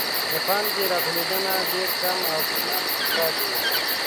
د پانګې راټولیدنه ډېر کم او په نشت حساب وي.